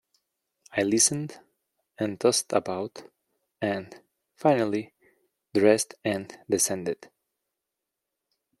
I listened, and tossed about, and, finally, dressed and descended.